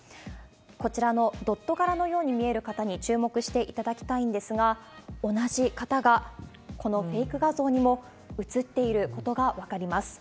こちらのドット柄のように見える方に注目していただきたいんですが、同じ方がこのフェイク画像にも写っていることが分かります。